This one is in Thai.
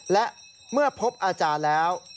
และเมื่อพบอาจารย์แล้ว